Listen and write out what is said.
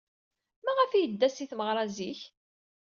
Maɣef ay yedda seg tmeɣra zik?